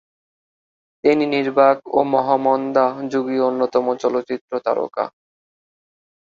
তিনি নির্বাক ও মহামন্দা-যুগীয় অন্যতম চলচ্চিত্র তারকা।